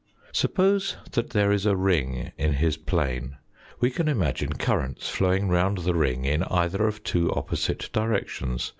Suppose that there is a ring in his plane. We can imagine currents flowing round the ring in either of two opposite directions.